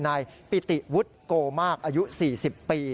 นายปิติวุฒิโกมากอายุ๔๐ปี